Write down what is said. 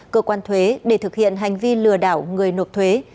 cơ quan thuế để thực hiện hành vi lừa đảo người nộp thuế